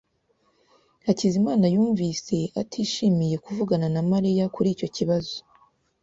Hakizimana yumvise atishimiye kuvugana na Mariya kuri icyo kibazo.